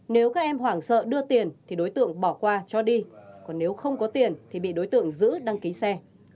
nếu các em hoảng sợ đưa tiền thì đối tượng bỏ qua cho đi còn nếu không có tiền thì bị đối tượng giữ đăng ký xe